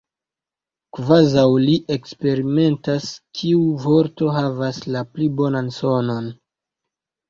kvazaŭ li eksperimentas kiu vorto havas la pli bonan sonon.